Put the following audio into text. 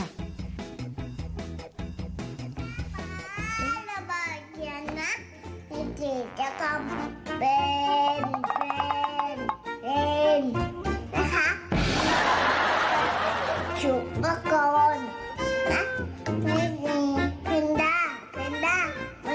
เป็นได้มันมีบุปกรณ์นะมีศิลป์เลยนะ